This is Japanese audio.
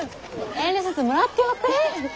遠慮せずもらっておくれ。